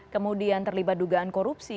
kemudian terlibat dugaan korupsi